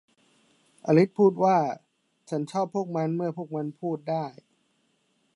อลิซพูดว่า ฉันชอบพวกมันเมื่อพวกมันพูดได้